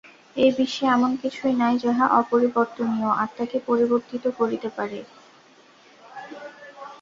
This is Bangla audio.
এই বিশ্বে এমন কিছুই নাই যাহা অপরিবর্তনীয় আত্মাকে পরিবর্তিত করিতে পারে।